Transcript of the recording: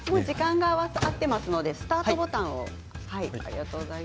時間、合っていますのでスタートボタンを。